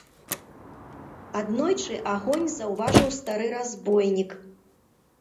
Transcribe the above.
Аднойчы агонь заўважыў стары разбойнік.